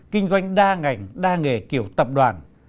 kinh doanh đa ngành đa nghề kiểu tập đoàn